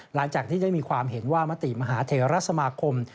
หลังจากที่ได้มีความเห็นว่ามติมหาเทราสมาคม